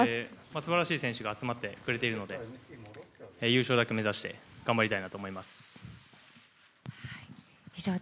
素晴らしい選手が集まってくれているので優勝だけ目指して頑張りたいなと思います。